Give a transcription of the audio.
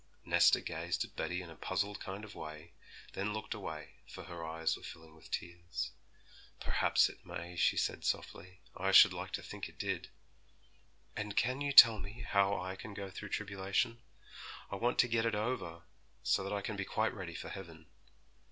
Nesta gazed at Betty in a puzzled kind of way; then looked away, for her eyes were filling with tears. 'Perhaps it may,' she said softly; 'I should like to think it did.' 'And can you tell me how I can go through tribulation? I want to get it over, so that I can be quite ready for heaven.'